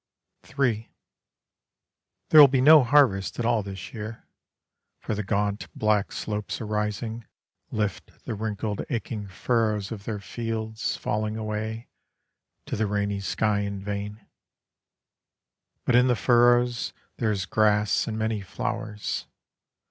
III There will be no harvest at all this year; For the gaunt black slopes arising Lift the wrinkled aching furrows of their fields, falling away, To the rainy sky in vain. But in the furrows There is grass and many flowers.